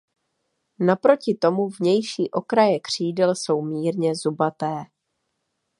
Naproti tomu vnější okraje křídel jsou mírně zubaté.